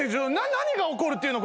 何が起こるっていうの？